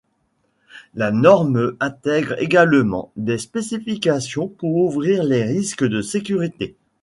La norme intègre également des spécifications pour couvrir les risques de sécurité.